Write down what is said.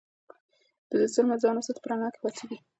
له ظلمه ځان وساته چې په رڼا کې پاڅېږې.